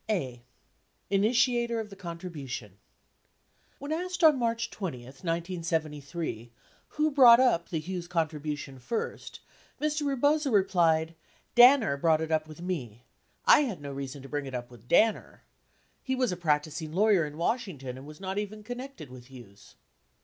A. Initiator or the Contribution When asked on March 20, 1973, who brought up the Hughes con tribution first, Mr. Rebozo replied, "Danner brought it up with me. I had no reason to bring it up with Danner. He was a practicing lawyer in Washington and was not even connected with Hughes."